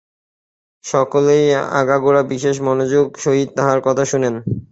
সকলেই আগাগোড়া বিশেষ মনোযোগের সহিত তাঁহার কথা শুনেন।